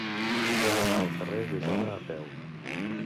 He d'anar al carrer d'Osona a peu.